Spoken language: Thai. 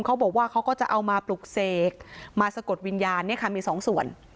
เขาบอกว่าเขาก็จะเอามาปลุกเสกมาสะกดวิญญาณมีสองส่วน